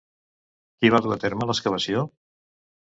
Qui va dur a terme l'excavació?